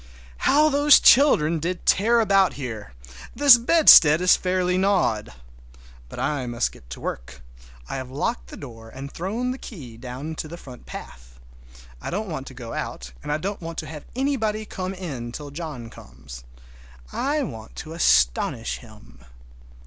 How those children did tear about here! This bedstead is fairly gnawed! But I must get to work. I have locked the door and thrown the key down into the front path. I don't want to go out, and I don't want to have anybody come in, till John comes. I want to astonish him.